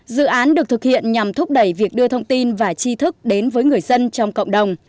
dự án được thực hiện nhằm thúc đẩy việc đưa thông tin và chi thức đến với người dân trong cộng đồng